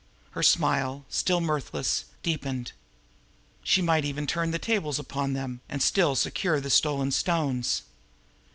Her smile, still mirthless, deepened. She might even turn the tables upon them, and still secure the stolen stones.